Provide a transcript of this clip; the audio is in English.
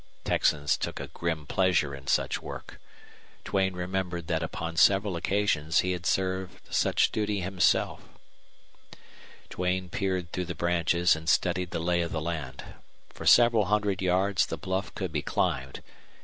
Texans took a grim pleasure in such work. Duane remembered that upon several occasions he had served such duty himself. Duane peered through the branches and studied the lay of the land. For several hundred yards the bluff could be climbed.